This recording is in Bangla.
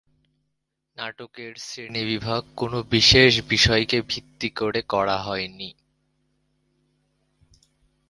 নাটকের শ্রেণীবিভাগ কোনো বিশেষ বিষয়কে ভিত্তি করে করা হয়নি।